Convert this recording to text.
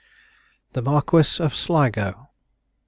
THE MARQUIS OF SLIGO.